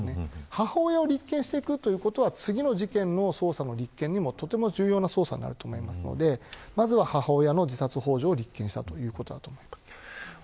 母親を立件するということは次の事件の捜査の立件にも非常に重要な捜査になると思うので、まずは母親の自殺ほう助を立件したということだと思います。